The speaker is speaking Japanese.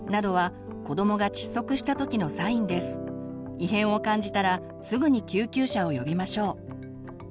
異変を感じたらすぐに救急車を呼びましょう。